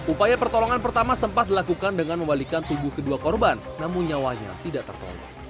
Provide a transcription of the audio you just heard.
upaya pertolongan pertama sempat dilakukan dengan membalikan tubuh kedua korban namun nyawanya tidak tertolong